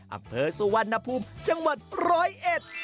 อำเภอสุวรรณภูมิจังหวัดร้อยเอ็ด